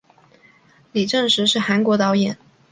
李振石是韩国导演。